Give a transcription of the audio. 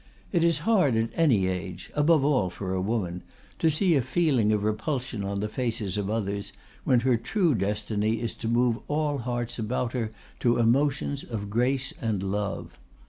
It is hard at any age, above all for a woman, to see a feeling of repulsion on the faces of others, when her true destiny is to move all hearts about her to emotions of grace and love.